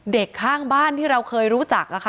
เด็กข้างบ้านที่เราเคยรู้จักนะคะ